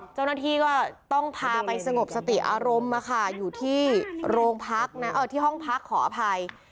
เจ้าหน้าที่ก็ต้องพาไปสงบสัติอารมณ์มาค่ะอยู่ที่ห้องพักขออภัย